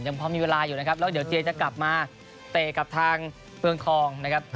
ยังพอมีเวลาอยู่นะครับแล้วเดี๋ยวเจจะกลับมาเตะกับทางเมืองทองนะครับ